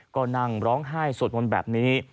ก็นั่งร้องไห้สวดมนต์แบบนี้